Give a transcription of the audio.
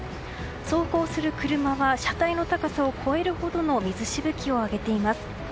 走行する車は車体の高さを超えるほどの水しぶきを上げています。